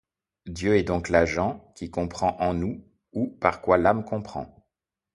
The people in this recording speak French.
Dieu est donc l'agent qui comprend en nous ou par quoi l'âme comprend.